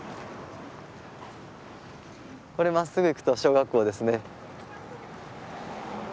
これまっすぐ行くと小学校ですね。